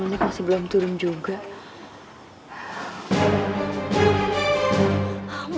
abang ambil semua behaviourmu dahulu